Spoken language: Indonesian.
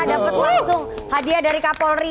dapat langsung hadiah dari kak polri